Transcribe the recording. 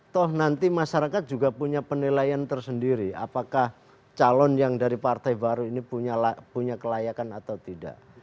toh nanti masyarakat juga punya penilaian tersendiri apakah calon yang dari partai baru ini punya kelayakan atau tidak